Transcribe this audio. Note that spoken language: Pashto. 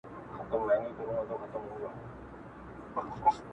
بلکي ځينو ته خوند لا ځکه نه ورکوي